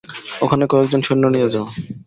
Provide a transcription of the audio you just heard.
ওখানে কয়েকজন সৈন্য নিয়ে যাও।